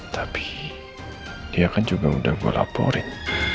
tapi dia kan juga udah gue laporin